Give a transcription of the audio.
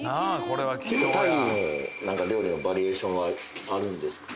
これは貴重や鯛の料理のバリエーションはあるんですか？